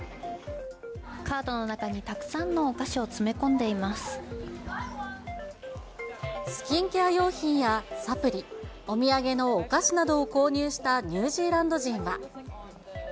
カートの中にたくさんのお菓スキンケア用品やサプリ、お土産のお菓子などを購入したニュージーランド人は。